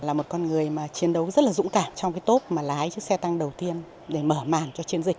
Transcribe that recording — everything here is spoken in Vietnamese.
là một con người mà chiến đấu rất là dũng cảm trong cái tốp mà lái chiếc xe tăng đầu tiên để mở màn cho chiến dịch